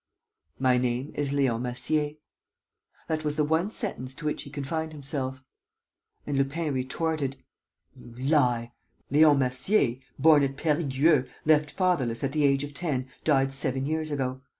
"My name is Leon Massier." That was the one sentence to which he confined himself. And Lupin retorted. "You lie. Leon Massier, born at Perigueux, left fatherless at the age of ten, died seven years ago.